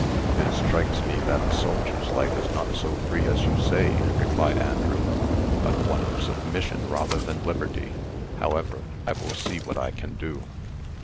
"It strikes me that a soldier's life is not so free as you say," replied Andrew, "but one of submission rather than liberty. However, I will see what I can do."